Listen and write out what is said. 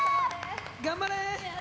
頑張れ！